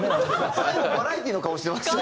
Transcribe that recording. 最後バラエティーの顔してましたよ。